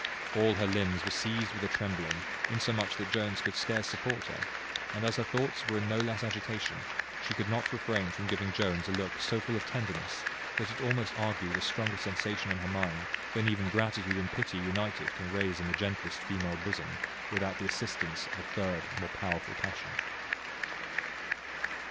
All her limbs were seized with a trembling, insomuch that Jones could scarce support her; and as her thoughts were in no less agitation, she could not refrain from giving Jones a look so full of tenderness, that it almost argued a stronger sensation in her mind, than even gratitude and pity united can raise in the gentlest female bosom, without the assistance of a third more powerful passion.